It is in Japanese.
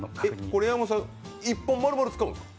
これ、山本さん、一本丸々使うんですか。